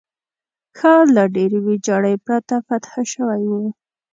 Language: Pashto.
ښار له ډېرې ویجاړۍ پرته فتح شوی وو.